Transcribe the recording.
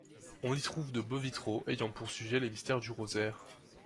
On y trouve de beaux vitraux ayant pour sujet les mystères du Rosaire.